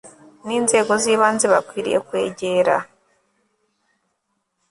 n inzego z ibanze bakwiriye kwegera